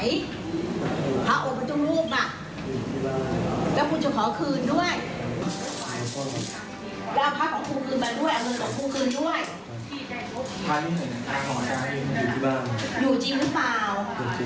อยู่จริงครับ